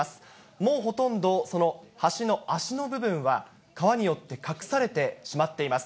もうほとんど、その橋の脚の部分は、川によって隠されてしまっています。